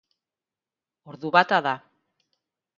Ordu bata da.